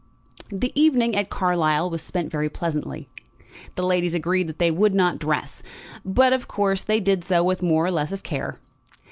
The evening at Carlisle was spent very pleasantly. The ladies agreed that they would not dress, but of course they did so with more or less of care.